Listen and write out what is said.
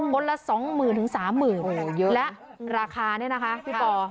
ละสองหมื่นถึงสามหมื่นเยอะและราคาเนี่ยนะคะพี่ปอ